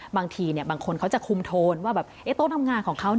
บางทีบางคนเขาจะคุมโทนว่าโต๊ะทำงานของเขา